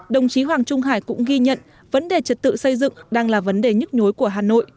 đồng chí hoàng trung hải cũng ghi nhận vấn đề trật tự xây dựng đang là vấn đề nhức nhối của hà nội